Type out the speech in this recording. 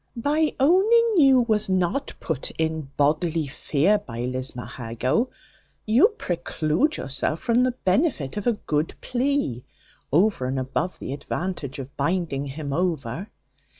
By owning you was not put in bodily fear by Lismahago, you preclude yourself from the benefit of a good plea, over and above the advantage of binding him over.